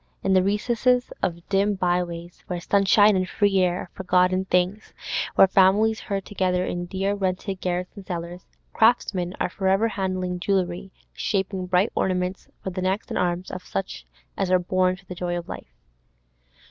In the recesses of dim byways, where sunshine and free air are forgotten things, where families herd together in dear rented garrets and cellars, craftsmen are for ever handling jewellery, shaping bright ornaments for the necks and arms of such as are born to the joy of life.